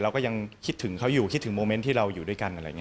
เราก็ยังคิดถึงเขาอยู่คิดถึงโมเมนต์ที่เราอยู่ด้วยกัน